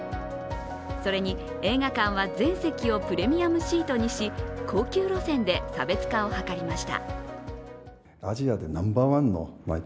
それに映画観は全席をプレミアムシートにし、高級路線で差別化を図りました。